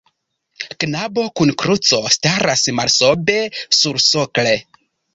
Knabo kun kruco staras malsobe sursokle.